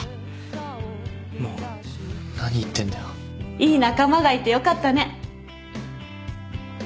いい仲間がいてよかったね。